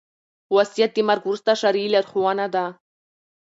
وصيت د مرګ وروسته شرعي لارښوونه ده